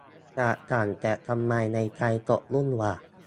อยากสั่ง แต่ทำไมในไทยตกรุ่นหว่า